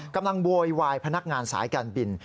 กำลังบวยวายพนักงานสายการบิน